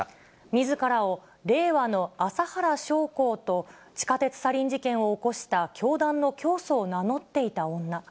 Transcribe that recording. みずからを令和の麻原彰晃と、地下鉄サリン事件を起こした教団の教祖を名乗っていた女。